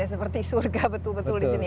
seperti surga betul betul disini